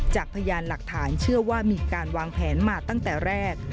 พยานหลักฐานเชื่อว่ามีการวางแผนมาตั้งแต่แรก